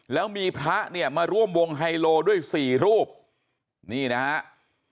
แล้วมีพระเนี่ยมาร่วมวงไฮโลด้วยสี่รูปนี่นะครับ